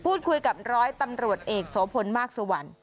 พูดคุยกับร้อยตำรวจเอกโสพลมากสุวรรณ